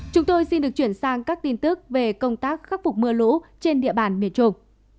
chúng tôi xin được chuyển sang các tin tức về công tác khắc phục mưa lũ trên địa bàn miền trung